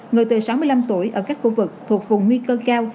người từ sáu mươi năm tuổi ở các khu vực thuộc vùng nguy cơ cao